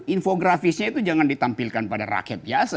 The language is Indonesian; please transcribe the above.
infografisnya itu jangan ditampilkan pada rakyat biasa